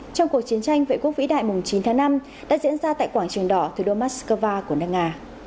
trong cuộc chiến tranh vệ quốc vĩ đại chín tháng năm đã diễn ra tại quảng trường đỏ thủ đô moscow của nước nga